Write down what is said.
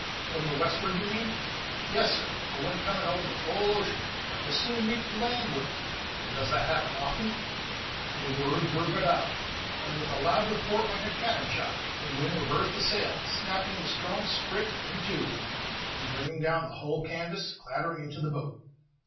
"From the westward, you mean?" "Yes, sir, a wind coming over the whole ocean, that will soon meet the land wind." "And does that often happen?" The words were but out, when, with a loud report like a cannon shot, the wind reversed the sail, snapping the strong sprit in two, and bringing down the whole canvas clattering into the boat.